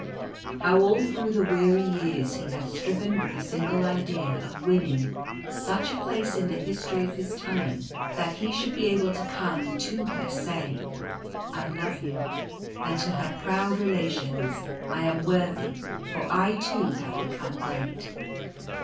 How all through the weary years he had striven with the single idea of winning such a place in the history of his time, that he should be able to come and to her say, " I love you," and to her proud relations, " I am worthy, for I too have become great."